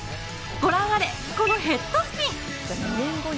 御覧あれ、このヘッドスピン！